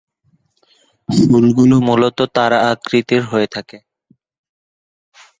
ফুলগুলো মুলত তারা আকৃতির হয়ে থাকে।